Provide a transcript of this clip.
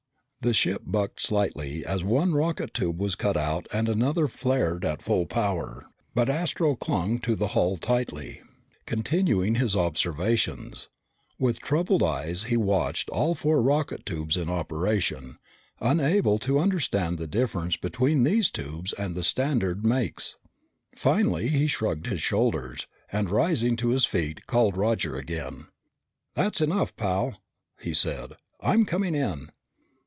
The ship bucked slightly as one rocket tube was cut out and another flared at full power, but Astro clung to the hull tightly, continuing his observations. With troubled eyes he watched all four rocket tubes in operation, unable to understand the difference between these tubes and the standard makes. Finally he shrugged his shoulders, and rising to his feet, called Roger again. "That's enough, pal," he said. "I'm coming in."